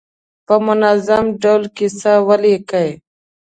په منظم ډول کیسه ولیکي.